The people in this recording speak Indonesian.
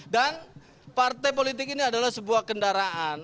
dan partai politik ini adalah sebuah kendaraan